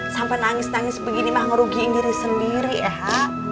sampai nangis nangis begini mah ngerugiin diri sendiri eha